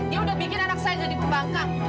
dia udah bikin anak saya jadi perbankan